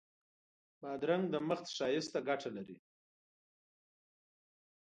بادرنګ د مخ ښایست ته ګټه لري.